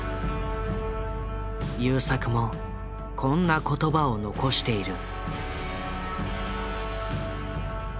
優作もこんな言葉を残している。